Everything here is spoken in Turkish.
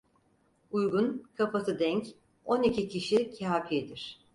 Uygun, kafası denk on iki kişi kâfidir.